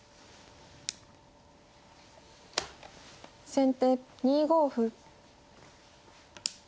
先手２五歩。